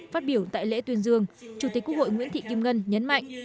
phát biểu tại lễ tuyên dương chủ tịch quốc hội nguyễn thị kim ngân nhấn mạnh